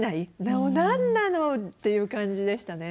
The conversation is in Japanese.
「もう何なの！」っていう感じでしたね。